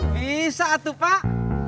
bisa atu pak